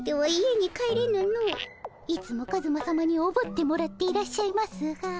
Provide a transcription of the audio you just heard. いつもカズマさまにおぶってもらっていらっしゃいますが。